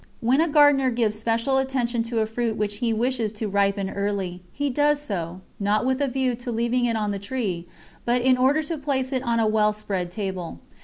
When a gardener gives special attention to a fruit which he wishes to ripen early, he does so, not with a view to leaving it on the tree, but in order to place it on a well spread table.